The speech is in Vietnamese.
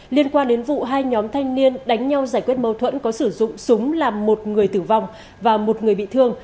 liên quan đến vụ hai nhóm thanh niên đánh nhau giải quyết mâu thuẫn có sử dụng súng làm một người tử vong và một người bị thương